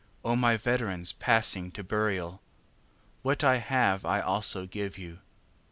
O my veterans, passing to burial! What I have I also give you. 9.